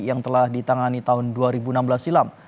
yang telah ditangani tahun dua ribu enam belas silam